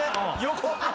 横？